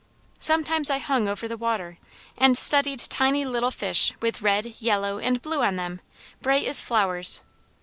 Sometimes I hung over the water, and studied tiny little fish with red, yellow, and blue on them, bright as flowers.